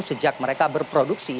sejak mereka berproduksi